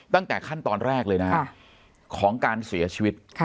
ตั้งแต่ขั้นตอนแรกเลยนะของการเสียชีวิต